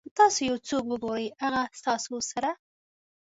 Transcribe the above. که تاسو یو څوک وګورئ چې هغه ستاسو سره.